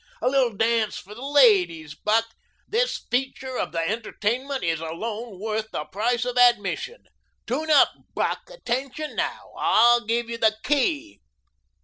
A little dance for the ladies, Buck. This feature of the entertainment is alone worth the price of admission. Tune up, Buck. Attention now! I'll give you the key."